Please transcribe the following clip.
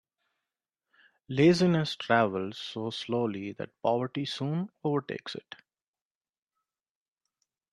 Laziness travels so slowly that poverty soon overtakes it.